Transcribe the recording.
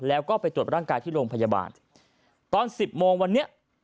แล้วก็ไปตรวจร่างกายที่โรงพยาบาลตอนสิบโมงวันนี้